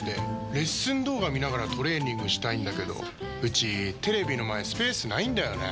レッスン動画見ながらトレーニングしたいんだけどうちテレビの前スペースないんだよねー。